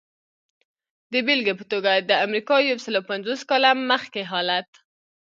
د بېلګې په توګه د امریکا یو سلو پنځوس کاله مخکې حالت.